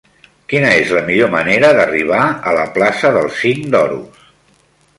Quina és la millor manera d'arribar a la plaça del Cinc d'Oros?